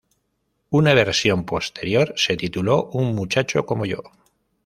Una versión posterior se tituló "Un muchacho como yo".